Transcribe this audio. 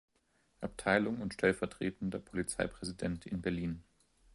Abteilung und stellvertretender Polizeipräsident in Berlin.